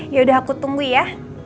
yaudah aku tunggu ya